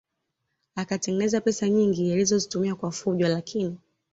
Akatengeneza pesa nyingi alizozitumia kwa fujo lakini